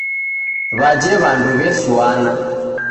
Waje wandu wesuana.